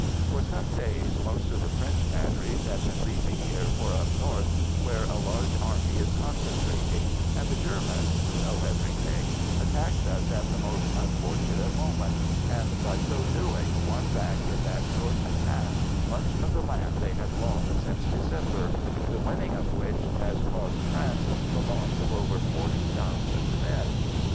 For some days most of the French batteries had been leaving here for up north where a large army is concentrating, and the Germans (who know everything) attacked us at the most unfortunate moment — and by so doing won back in that short attack much of the land they had lost since December, the winning of which has caused France the loss of over forty thousand men